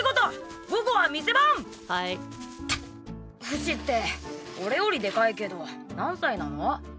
フシって俺よりでかいけど何歳なの？